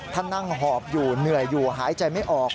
ท่านนั่งหอบอยู่เหนื่อยอยู่หายใจไม่ออก